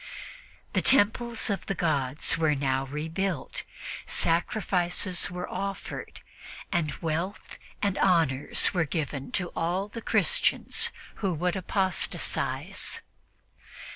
The temples of the gods were now rebuilt, sacrifices were offered, and wealth and honors were given to all the Christians who would apostatize.